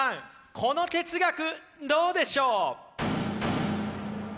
この哲学どうでしょう？